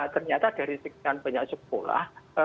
ternyata dari sekian banyak sekolah